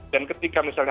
dan ketika misalnya